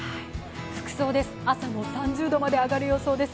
服装です、朝も３０度まで上がる予想です。